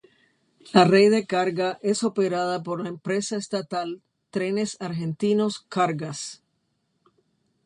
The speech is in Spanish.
La red de carga es operada por las empresa estatal Trenes Argentinos Cargas.